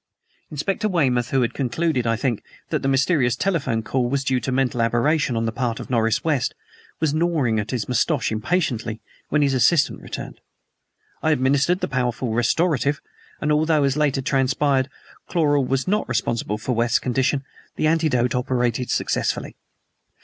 Inspector Weymouth, who had concluded, I think, that the mysterious telephone call was due to mental aberration on the part of Norris West, was gnawing at his mustache impatiently when his assistant returned. I administered the powerful restorative, and although, as later transpired, chloral was not responsible for West's condition, the antidote operated successfully.